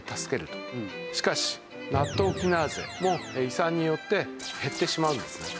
しかしナットウキナーゼも胃酸によって減ってしまうんですね。